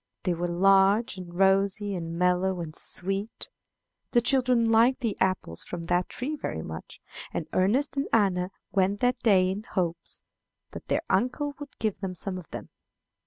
They were large, and rosy, and mellow, and sweet. The children liked the apples from that tree very much, and Ernest and Anna went that day in hopes that their uncle would give them some of them.